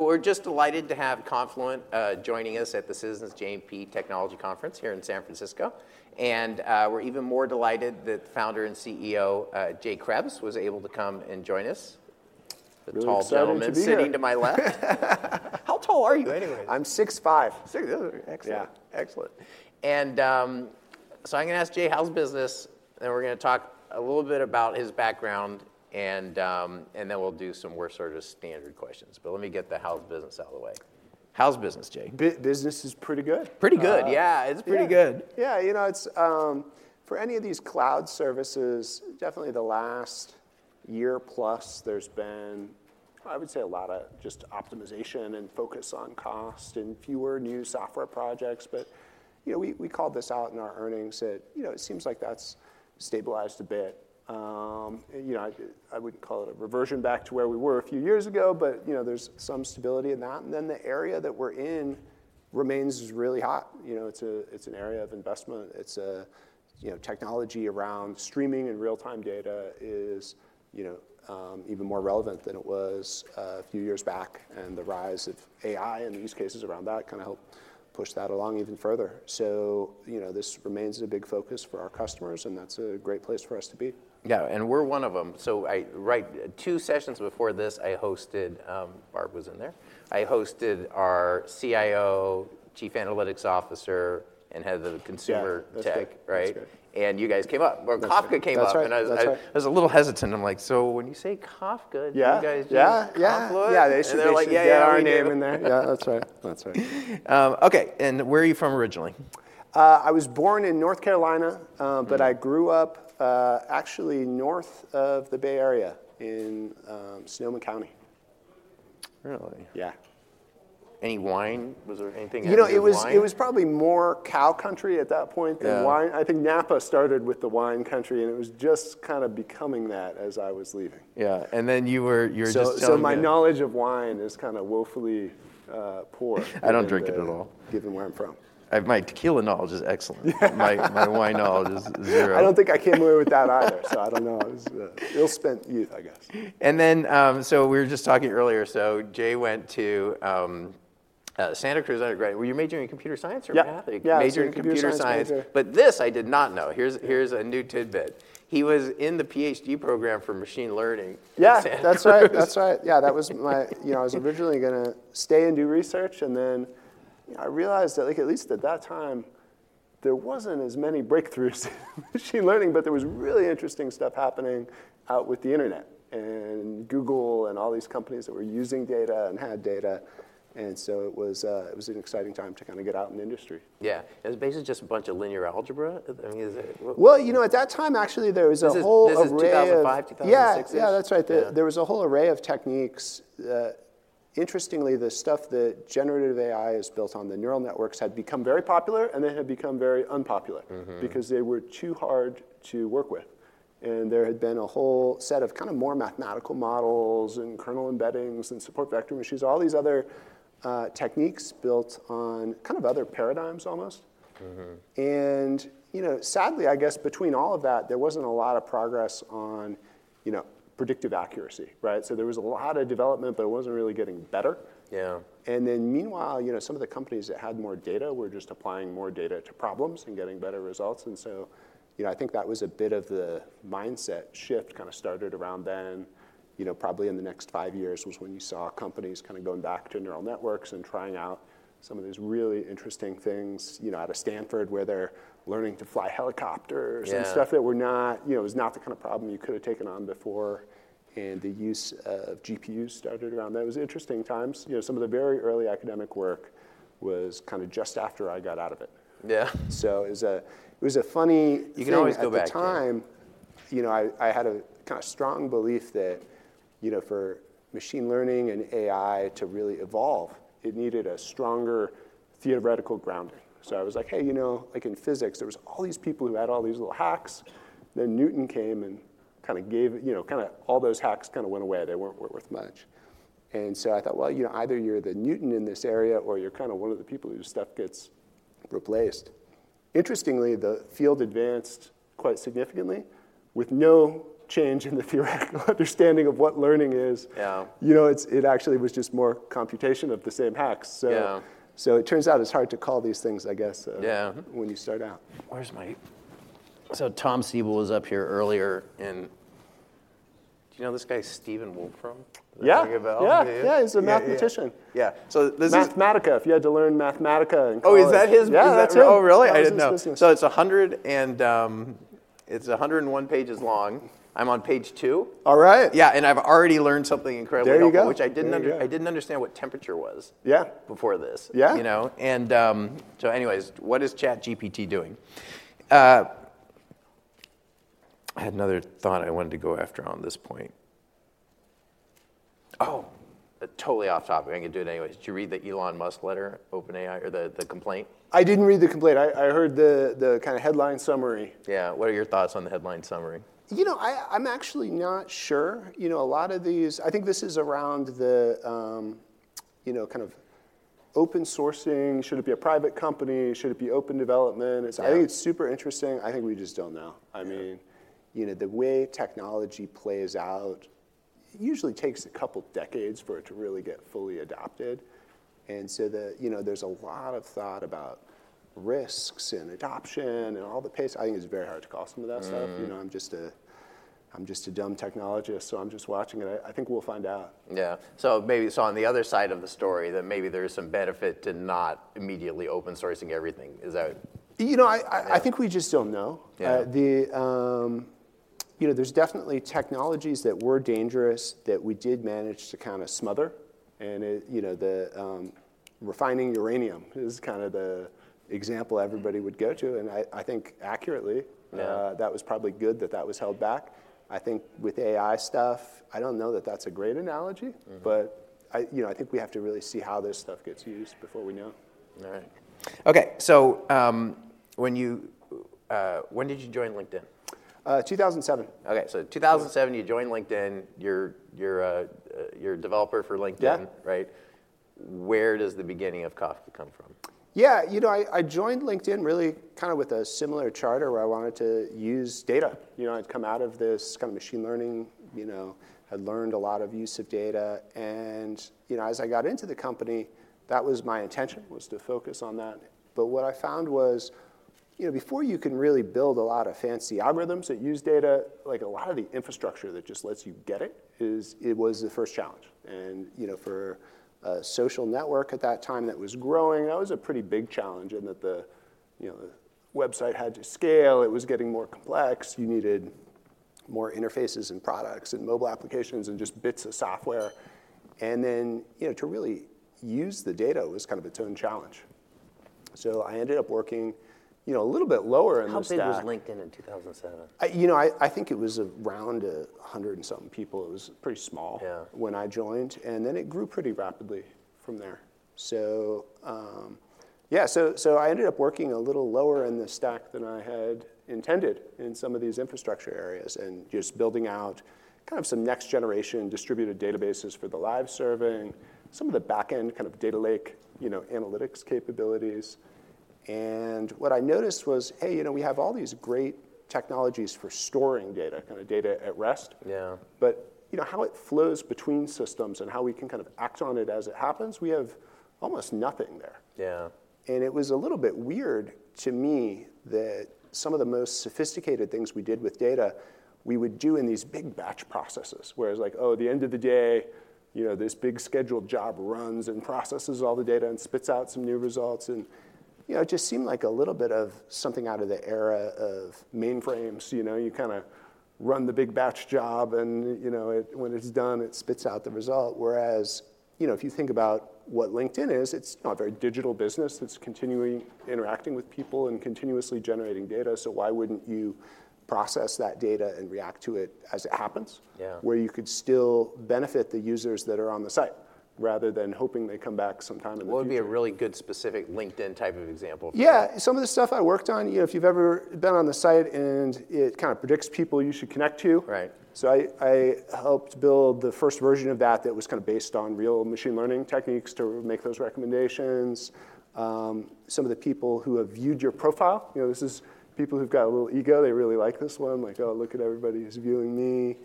We're just delighted to have Confluent joining us at the Citizens JMP Technology Conference here in San Francisco. We're even more delighted that founder and CEO Jay Kreps was able to come and join us. The tall gentleman sitting to my left. How tall are you anyways? I'm 6'5". Excellent. Excellent. So I'm going to ask Jay how's business, then we're going to talk a little bit about his background, and then we'll do some more sort of standard questions. Let me get the how's business out of the way. How's business, Jay? Business is pretty good. Pretty good. Yeah. It's pretty good. Yeah. You know, for any of these cloud services, definitely the last year plus, there's been, I would say, a lot of just optimization and focus on cost and fewer new software projects. But we called this out in our earnings that it seems like that's stabilized a bit. I wouldn't call it a reversion back to where we were a few years ago, but there's some stability in that. And then the area that we're in remains really hot. It's an area of investment. Technology around streaming and real-time data is even more relevant than it was a few years back. And the rise of AI and the use cases around that kind of helped push that along even further. So this remains a big focus for our customers, and that's a great place for us to be. Yeah. And we're one of them. So two sessions before this, I hosted. Marc was in there. I hosted our CIO, Chief Analytics Officer, and Head of Consumer Tech. Right? And you guys came up. Well, Kafka came up. And I was a little hesitant. I'm like, so when you say Kafka, do you guys use Confluent? Yeah. Yeah. Yeah. They're like, yeah, yeah, yeah. We got our name in there. Yeah. That's right. That's right. OK. Where are you from originally? I was born in North Carolina, but I grew up actually north of the Bay Area in Sonoma County. Really? Yeah. Any wine? Was there anything? You know, it was probably more cow country at that point than wine. I think Napa started with the wine country, and it was just kind of becoming that as I was leaving. Yeah. And then you were just telling me. My knowledge of wine is kind of woefully poor. I don't drink it at all. Given where I'm from. My tequila knowledge is excellent. My wine knowledge is zero. I don't think I came away with that either. So I don't know. It was ill-spent youth, I guess. And then so we were just talking earlier. So Jay went to Santa Cruz undergrad. Were you majoring in computer science or math? Yeah. Majoring in computer science. But this I did not know. Here's a new tidbit. He was in the PhD program for machine learning at Santa. Yeah. That's right. That's right. Yeah. I was originally going to stay and do research. And then I realized that at least at that time, there wasn't as many breakthroughs in machine learning, but there was really interesting stuff happening out with the internet and Google and all these companies that were using data and had data. And so it was an exciting time to kind of get out in the industry. Yeah. It was basically just a bunch of linear algebra? Well, you know, at that time, actually, there was a whole array. This is 2005, 2006? Yeah. Yeah. That's right. There was a whole array of techniques. Interestingly, the stuff that generative AI is built on, the neural networks, had become very popular and then had become very unpopular because they were too hard to work with. And there had been a whole set of kind of more mathematical models and kernel embeddings and support vector machines, all these other techniques built on kind of other paradigms almost. And sadly, I guess, between all of that, there wasn't a lot of progress on predictive accuracy. Right? So there was a lot of development, but it wasn't really getting better. Yeah. And then meanwhile, some of the companies that had more data were just applying more data to problems and getting better results. And so I think that was a bit of the mindset shift kind of started around then. Probably in the next five years was when you saw companies kind of going back to neural networks and trying out some of these really interesting things out of Stanford where they're learning to fly helicopters and stuff that was not the kind of problem you could have taken on before. And the use of GPUs started around that. It was interesting times. Some of the very early academic work was kind of just after I got out of it. Yeah. So it was a funny thing. You can always go back to. At the time, I had a kind of strong belief that for machine learning and AI to really evolve, it needed a stronger theoretical grounding. So I was like, hey, you know, in physics, there was all these people who had all these little hacks. Then Newton came and kind of gave kind of all those hacks kind of went away. They weren't worth much. And so I thought, well, either you're the Newton in this area or you're kind of one of the people whose stuff gets replaced. Interestingly, the field advanced quite significantly with no change in the theoretical understanding of what learning is. It actually was just more computation of the same hacks. So it turns out it's hard to call these things, I guess, when you start out. So Tom Siebel was up here earlier. Do you know this guy, Stephen Wolfram? Yeah. Do you think about? Yeah. Yeah. He's a mathematician. Yeah. Mathematica. If you had to learn Mathematica in college. Oh, is that his? Is that too? Yeah. Oh, really? I didn't know. So it's 101 pages long. I'm on page 2. All right. Yeah. I've already learned something incredibly awful, which I didn't understand what temperature was before this. Yeah. So anyways, what is ChatGPT doing? I had another thought I wanted to go after on this point. Oh. Totally off topic. I can do it anyways. Did you read the Elon Musk letter, OpenAI, or the complaint? I didn't read the complaint. I heard the kind of headline summary. Yeah. What are your thoughts on the headline summary? You know, I'm actually not sure. A lot of these I think this is around the kind of open sourcing. Should it be a private company? Should it be open development? I think it's super interesting. I think we just don't know. I mean, the way technology plays out usually takes a couple decades for it to really get fully adopted. And so there's a lot of thought about risks and adoption and all the pace. I think it's very hard to call some of that stuff. I'm just a dumb technologist, so I'm just watching it. I think we'll find out. Yeah. So maybe on the other side of the story, that maybe there is some benefit to not immediately open sourcing everything. Is that? You know, I think we just don't know. There's definitely technologies that were dangerous that we did manage to kind of smother. And refining uranium is kind of the example everybody would go to. And I think accurately, that was probably good that that was held back. I think with AI stuff, I don't know that that's a great analogy. But I think we have to really see how this stuff gets used before we know. All right. OK. So when did you join LinkedIn? 2007. OK. So 2007, you joined LinkedIn. You're a developer for LinkedIn. Right? Where does the beginning of Kafka come from? Yeah. You know, I joined LinkedIn really kind of with a similar charter where I wanted to use data. I'd come out of this kind of machine learning, had learned a lot of use of data. And as I got into the company, that was my intention, was to focus on that. But what I found was before you can really build a lot of fancy algorithms that use data, a lot of the infrastructure that just lets you get it was the first challenge. And for a social network at that time that was growing, that was a pretty big challenge in that the website had to scale. It was getting more complex. You needed more interfaces and products and mobile applications and just bits of software. And then to really use the data was kind of its own challenge. So I ended up working a little bit lower in the stack. How big was LinkedIn in 2007? You know, I think it was around 100-something people. It was pretty small when I joined. Then it grew pretty rapidly from there. So yeah. I ended up working a little lower in the stack than I had intended in some of these infrastructure areas and just building out kind of some next-generation distributed databases for the live serving, some of the back-end kind of data lake analytics capabilities. What I noticed was, hey, we have all these great technologies for storing data, kind of data at rest. Yeah, but how it flows between systems and how we can kind of act on it as it happens, we have almost nothing there. Yeah, and it was a little bit weird to me that some of the most sophisticated things we did with data, we would do in these big batch processes, where it's like, oh, at the end of the day, this big scheduled job runs and processes all the data and spits out some new results. And it just seemed like a little bit of something out of the era of mainframes. You kind of run the big batch job, and when it's done, it spits out the result. Whereas if you think about what LinkedIn is, it's a very digital business that's continually interacting with people and continuously generating data. So why wouldn't you process that data and react to it as it happens, where you could still benefit the users that are on the site rather than hoping they come back sometime in the future? What would be a really good specific LinkedIn type of example? Yeah. Some of the stuff I worked on, if you've ever been on the site and it kind of predicts people you should connect to. So I helped build the first version of that that was kind of based on real machine learning techniques to make those recommendations. Some of the people who have viewed your profile, this is people who've got a little ego. They really like this one. Like, oh, look at everybody who's viewing me.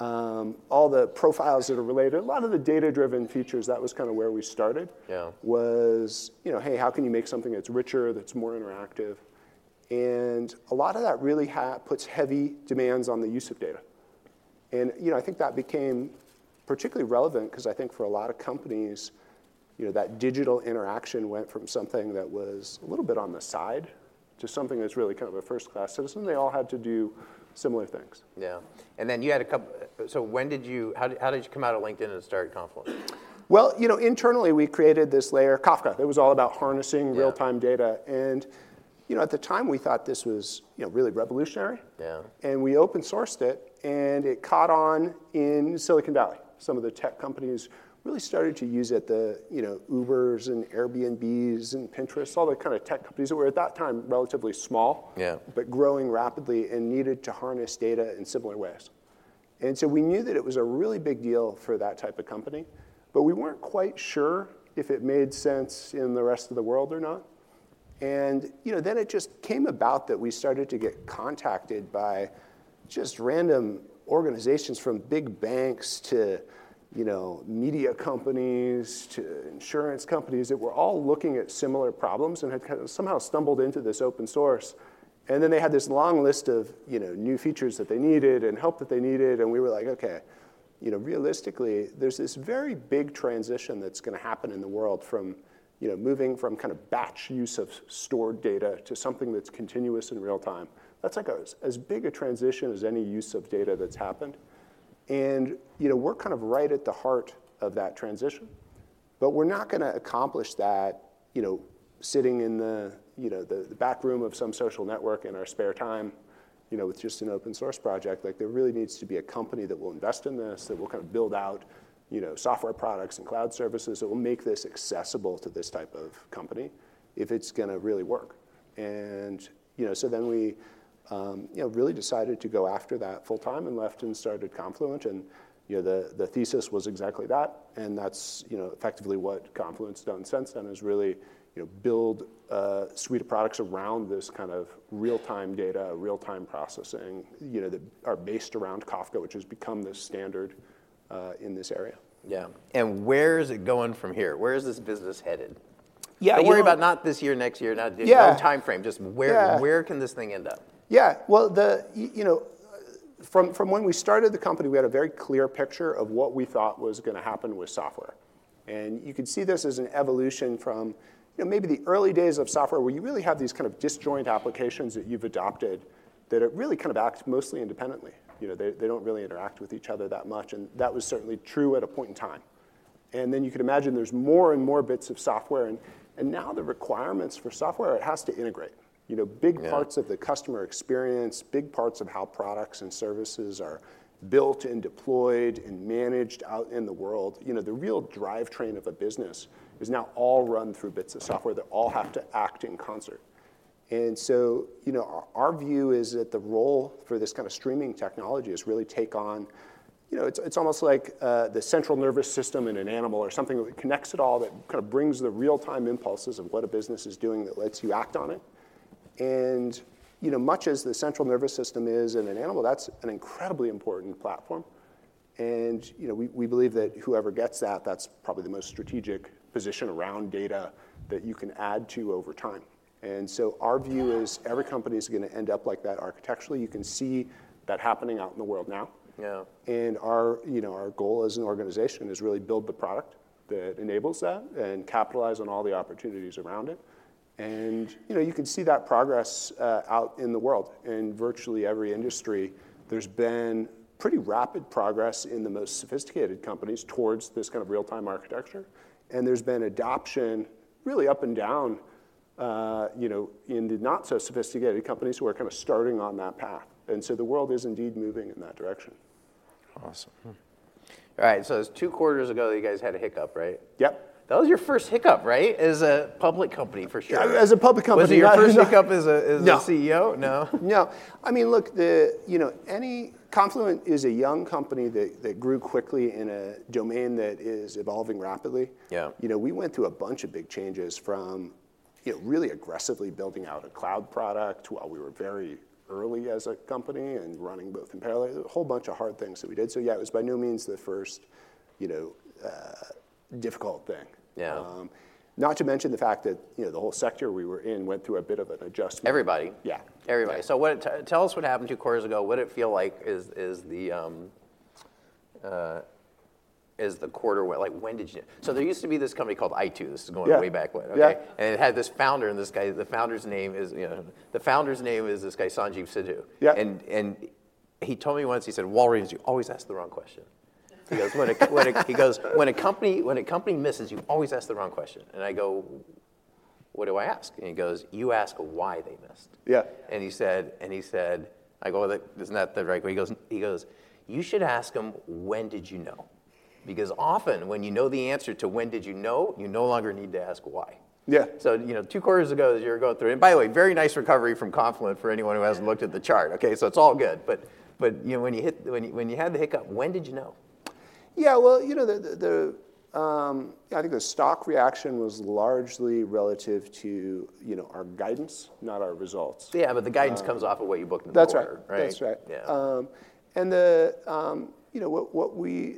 All the profiles that are related, a lot of the data-driven features, that was kind of where we started was, hey, how can you make something that's richer, that's more interactive? And a lot of that really puts heavy demands on the use of data. I think that became particularly relevant because I think for a lot of companies, that digital interaction went from something that was a little bit on the side to something that's really kind of a first-class citizen. They all had to do similar things. Yeah. And then you had a couple so how did you come out of LinkedIn and start Confluent? Well, internally, we created this layer, Kafka. It was all about harnessing real-time data. And at the time, we thought this was really revolutionary. And we open-sourced it, and it caught on in Silicon Valley. Some of the tech companies really started to use it, the Ubers and Airbnbs and Pinterests, all the kind of tech companies that were at that time relatively small but growing rapidly and needed to harness data in similar ways. And so we knew that it was a really big deal for that type of company. But we weren't quite sure if it made sense in the rest of the world or not. And then it just came about that we started to get contacted by just random organizations, from big banks to media companies to insurance companies, that were all looking at similar problems and had kind of somehow stumbled into this open source. Then they had this long list of new features that they needed and help that they needed. We were like, OK, realistically, there's this very big transition that's going to happen in the world from moving from kind of batch use of stored data to something that's continuous and real-time. That's like as big a transition as any use of data that's happened. We're kind of right at the heart of that transition. We're not going to accomplish that sitting in the back room of some social network in our spare time with just an open source project. There really needs to be a company that will invest in this, that will kind of build out software products and cloud services that will make this accessible to this type of company if it's going to really work. And so then we really decided to go after that full-time and left and started Confluent. The thesis was exactly that. That's effectively what Confluent's done since then is really build a suite of products around this kind of real-time data, real-time processing that are based around Kafka, which has become the standard in this area. Yeah. And where is it going from here? Where is this business headed? Don't worry about not this year, next year, not this whole time frame. Just where can this thing end up? Yeah. Well, from when we started the company, we had a very clear picture of what we thought was going to happen with software. You could see this as an evolution from maybe the early days of software where you really have these kind of disjoint applications that you've adopted that really kind of act mostly independently. They don't really interact with each other that much. That was certainly true at a point in time. Then you could imagine there's more and more bits of software. Now the requirements for software, it has to integrate. Big parts of the customer experience, big parts of how products and services are built and deployed and managed out in the world, the real drivetrain of a business is now all run through bits of software that all have to act in concert. Our view is that the role for this kind of streaming technology is really to take on. It's almost like the central nervous system in an animal or something that connects it all, that kind of brings the real-time impulses of what a business is doing, that lets you act on it. Much as the central nervous system is in an animal, that's an incredibly important platform. We believe that whoever gets that, that's probably the most strategic position around data that you can add to over time. Our view is every company is going to end up like that architecturally. You can see that happening out in the world now. Our goal as an organization is really to build the product that enables that and capitalize on all the opportunities around it. You can see that progress out in the world. In virtually every industry, there's been pretty rapid progress in the most sophisticated companies towards this kind of real-time architecture. There's been adoption really up and down in the not-so-sophisticated companies who are kind of starting on that path. The world is indeed moving in that direction. Awesome. All right. So it was two quarters ago that you guys had a hiccup, right? Yep. That was your first hiccup, right, as a public company for sure. As a public company. Was it your first hiccup as a CEO? No. No? No. I mean, look, Confluent is a young company that grew quickly in a domain that is evolving rapidly. We went through a bunch of big changes from really aggressively building out a cloud product while we were very early as a company and running both in parallel, a whole bunch of hard things that we did. So yeah, it was by no means the first difficult thing, not to mention the fact that the whole sector we were in went through a bit of an adjustment. Everybody. Yeah. Everybody. So tell us what happened two quarters ago. What did it feel like as the quarter went? So there used to be this company called i2. This is going way back when. Yeah. It had this founder and this guy. The founder's name is this guy, Sanjeev Sidhu. He told me once, he said, "Walraven, you always ask the wrong question." He goes, "When a company misses, you always ask the wrong question." I go, "What do I ask?" He goes, "You ask why they missed. Yeah. He said, I go, "Well, isn't that the right way?" He goes, "You should ask them, when did you know? Because often when you know the answer to when did you know, you no longer need to ask why. Yeah. So two quarters ago as you were going through and by the way, very nice recovery from Confluent for anyone who hasn't looked at the chart. OK, so it's all good. But when you had the hiccup, when did you know? Yeah. Well, I think the stock reaction was largely relative to our guidance, not our results. Yeah. But the guidance comes off of what you booked in the market. That's right. That's right.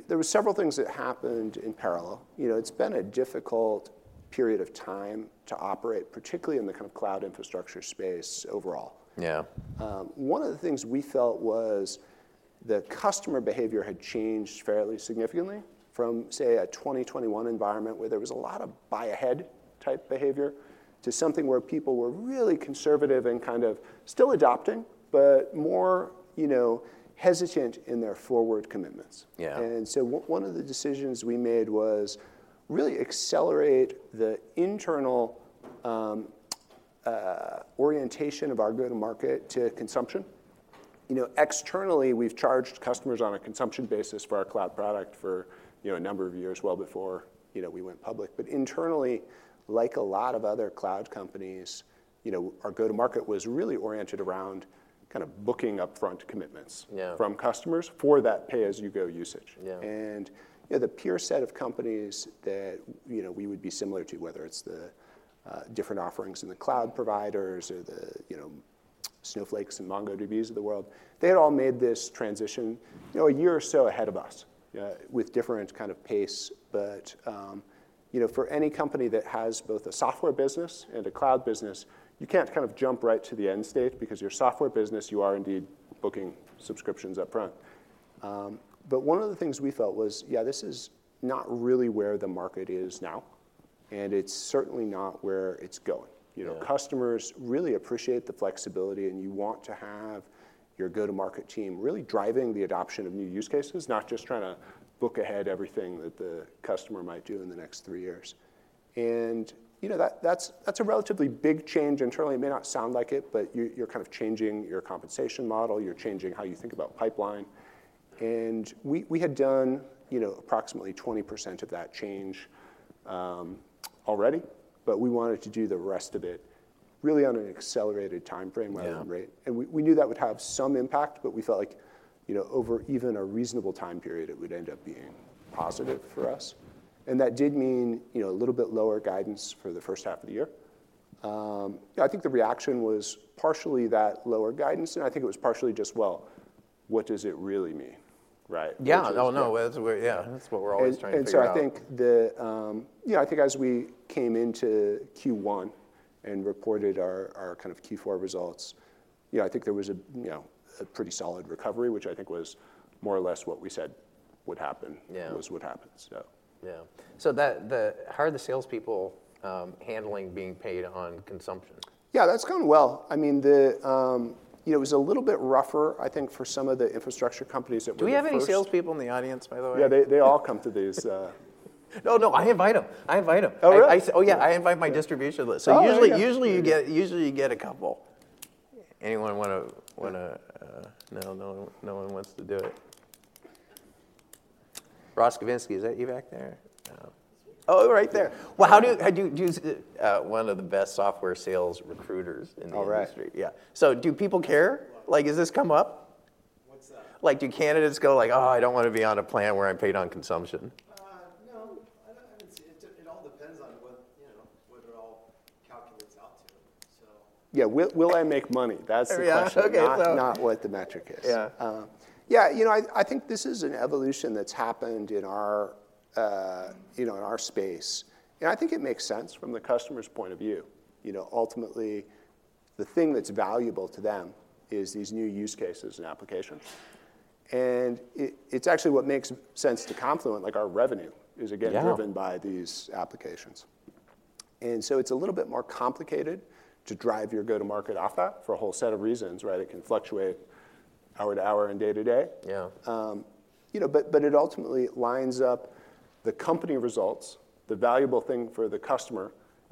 There were several things that happened in parallel. It's been a difficult period of time to operate, particularly in the kind of cloud infrastructure space overall. Yeah, one of the things we felt was the customer behavior had changed fairly significantly from, say, a 2021 environment where there was a lot of buy-ahead type behavior to something where people were really conservative and kind of still adopting but more hesitant in their forward commitments. So one of the decisions we made was really accelerate the internal orientation of our go-to-market to consumption. Externally, we've charged customers on a consumption basis for our cloud product for a number of years well before we went public. But internally, like a lot of other cloud companies, our go-to-market was really oriented around kind of booking upfront commitments from customers for that pay-as-you-go usage. The peer set of companies that we would be similar to, whether it's the different offerings in the cloud providers or the Snowflakes and MongoDBs of the world, they had all made this transition a year or so ahead of us with different kind of pace. But for any company that has both a software business and a cloud business, you can't kind of jump right to the end state because your software business, you are indeed booking subscriptions upfront. But one of the things we felt was, yeah, this is not really where the market is now. And it's certainly not where it's going. Customers really appreciate the flexibility. And you want to have your go-to-market team really driving the adoption of new use cases, not just trying to book ahead everything that the customer might do in the next three years. That's a relatively big change internally. It may not sound like it, but you're kind of changing your compensation model. You're changing how you think about pipeline. We had done approximately 20% of that change already. But we wanted to do the rest of it really on an accelerated time frame rate. We knew that would have some impact. But we felt like over even a reasonable time period, it would end up being positive for us. That did mean a little bit lower guidance for the first half of the year. I think the reaction was partially that lower guidance. I think it was partially just, well, what does it really mean? Yeah. Oh, no. Yeah, that's what we're always trying to figure out. And so I think as we came into Q1 and reported our kind of Q4 results, I think there was a pretty solid recovery, which I think was more or less what we said would happen was what happened. Yeah. So how are the salespeople handling being paid on consumption? Yeah, that's gone well. I mean, it was a little bit rougher, I think, for some of the infrastructure companies that were doing that. Do we have any salespeople in the audience, by the way? Yeah, they all come to these. No, no. I invite them. I invite them. Oh, yeah. I invite my distribution list. So usually you get a couple. Anyone want to—no, no one wants to do it. Ross Kavinsky, is that you back there? Oh, right there. Well, how do you. One of the best software sales recruiters in the industry. All right. Yeah. So do people care? Is this come up? What's that? Do candidates go like, oh, I don't want to be on a plant where I'm paid on consumption? No. It all depends on what it all calculates out to. Yeah. Will I make money? That's the question, not what the metric is. Yeah, I think this is an evolution that's happened in our space. And I think it makes sense from the customer's point of view. Ultimately, the thing that's valuable to them is these new use cases and applications. And it's actually what makes sense to Confluent. Our revenue is, again, driven by these applications. And so it's a little bit more complicated to drive your go-to-market off that for a whole set of reasons. It can fluctuate hour to hour and day to day. But it ultimately lines up the company results, the valuable thing for the customer,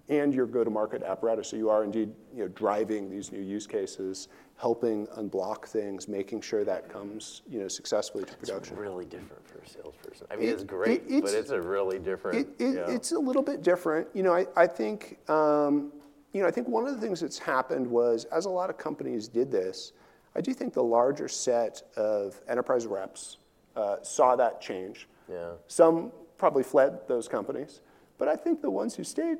and your go-to-market apparatus. So you are indeed driving these new use cases, helping unblock things, making sure that comes successfully to production. It's really different for a salesperson. I mean, it's great. But it's a really different. It's a little bit different. I think one of the things that's happened was, as a lot of companies did this, I do think the larger set of enterprise reps saw that change. Some probably fled those companies. But I think the ones who stayed,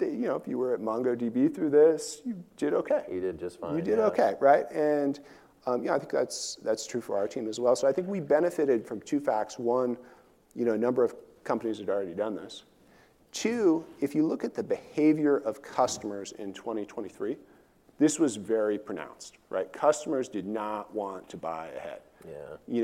if you were at MongoDB through this, you did OK. You did just fine. You did OK, right? And I think that's true for our team as well. So I think we benefited from two facts. One, a number of companies had already done this. Two, if you look at the behavior of customers in 2023, this was very pronounced. Customers did not want to buy ahead. It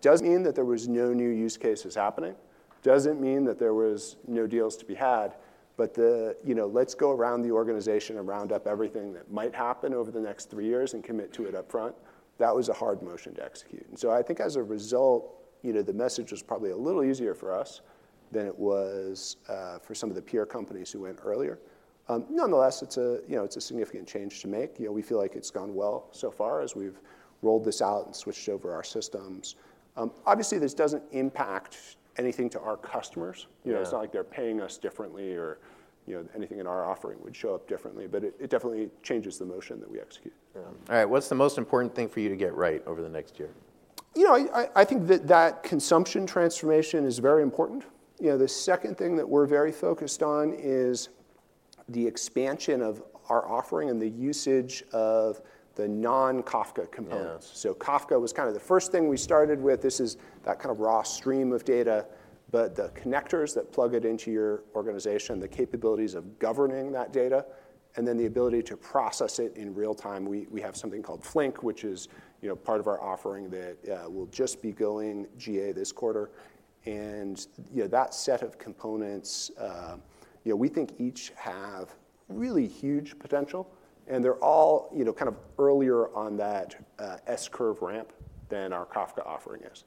doesn't mean that there were no new use cases happening. It doesn't mean that there were no deals to be had. But let's go around the organization and round up everything that might happen over the next three years and commit to it upfront. That was a hard motion to execute. And so I think as a result, the message was probably a little easier for us than it was for some of the peer companies who went earlier. Nonetheless, it's a significant change to make. We feel like it's gone well so far as we've rolled this out and switched over our systems. Obviously, this doesn't impact anything to our customers. It's not like they're paying us differently or anything in our offering would show up differently. But it definitely changes the motion that we execute. All right. What's the most important thing for you to get right over the next year? You know, I think that that consumption transformation is very important. The second thing that we're very focused on is the expansion of our offering and the usage of the non-Kafka components. So Kafka was kind of the first thing we started with. This is that kind of raw stream of data. But the connectors that plug it into your organization, the capabilities of governing that data, and then the ability to process it in real time, we have something called Flink, which is part of our offering that will just be going GA this quarter. And that set of components, we think each have really huge potential. And they're all kind of earlier on that S-curve ramp than our Kafka offering is.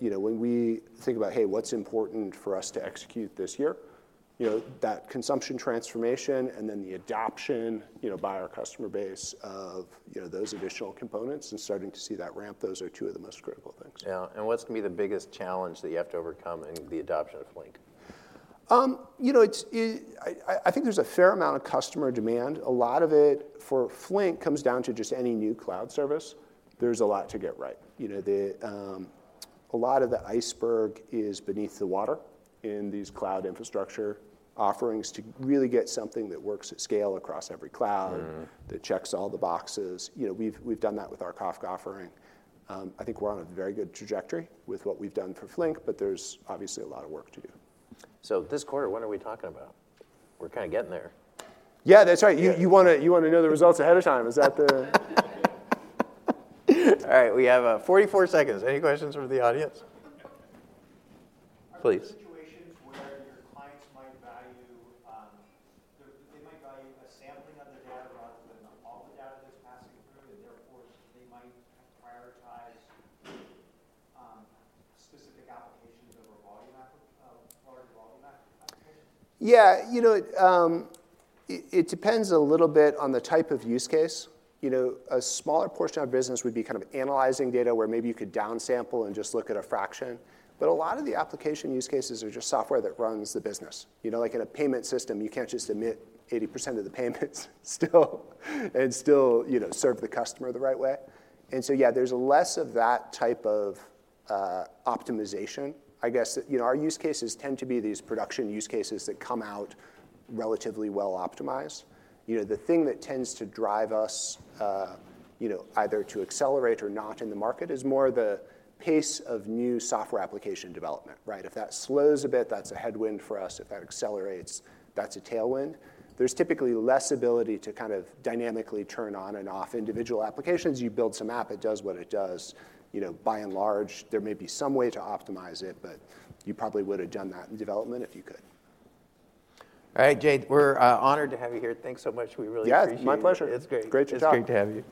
When we think about, hey, what's important for us to execute this year, that consumption transformation and then the adoption by our customer base of those additional components and starting to see that ramp, those are two of the most critical things. Yeah. What's going to be the biggest challenge that you have to overcome in the adoption of Flink? I think there's a fair amount of customer demand. A lot of it for Flink comes down to just any new cloud service. There's a lot to get right. A lot of the iceberg is beneath the water in these cloud infrastructure offerings to really get something that works at scale across every cloud, that checks all the boxes. We've done that with our Kafka offering. I think we're on a very good trajectory with what we've done for Flink. But there's obviously a lot of work to do. So this quarter, what are we talking about? We're kind of getting there. Yeah, that's right. You want to know the results ahead of time. Is that the? All right. We have 44 seconds. Any questions from the audience? Please. Are there situations where your clients might value they might value a sampling of the data rather than all the data that's passing through? And therefore, they might prioritize specific applications over larger volume applications? Yeah. It depends a little bit on the type of use case. A smaller portion of business would be kind of analyzing data where maybe you could downsample and just look at a fraction. But a lot of the application use cases are just software that runs the business. Like in a payment system, you can't just emit 80% of the payments and still serve the customer the right way. And so yeah, there's less of that type of optimization. I guess our use cases tend to be these production use cases that come out relatively well optimized. The thing that tends to drive us either to accelerate or not in the market is more the pace of new software application development. If that slows a bit, that's a headwind for us. If that accelerates, that's a tailwind. There's typically less ability to kind of dynamically turn on and off individual applications. You build some app. It does what it does. By and large, there may be some way to optimize it. But you probably would have done that in development if you could. All right, Jay. We're honored to have you here. Thanks so much. We really appreciate it. Yes. My pleasure. It's great. Great to talk. It's great to talk to you.